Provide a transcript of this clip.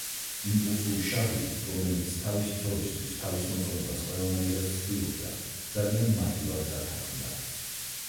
იმპულსური შარლი, რომელიც თავისი ცოლისათვის თავის მოწონებას ყველანაირად ცდილობდა ძალიან მარტივად დათანხმდა.